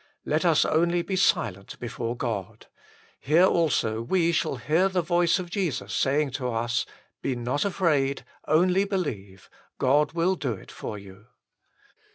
Let us only be silent before God ; here also we shall hear the voice of Jesus saying to us :" Be not afraid, only believe : God will do it for you."